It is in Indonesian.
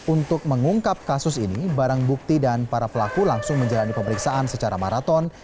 untuk mengungkap kasus ini barang bukti dan para pelaku langsung menjalani pemeriksaan secara maraton